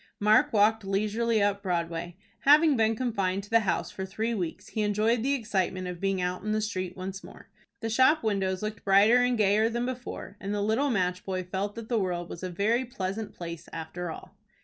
Mark walked leisurely up Broadway. Having been confined to the house for three weeks, he enjoyed the excitement of being out in the street once more. The shop windows looked brighter and gayer than before, and the little match boy felt that the world was a very pleasant place after all.